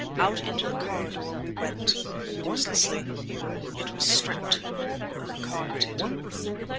Out into the corridor we went, noiselessly. It was stripped, uncarpeted.